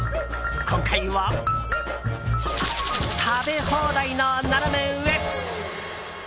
今回は、食べ放題のナナメ上！